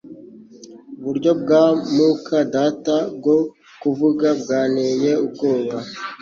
Uburyo bwa muka data bwo kuvuga bwanteye ubwoba